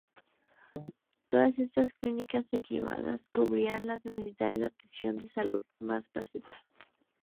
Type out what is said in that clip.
Todas estas clínicas equipadas para cubrir las necesidades de atención de salud más básicas.